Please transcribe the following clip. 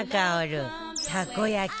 たこ焼き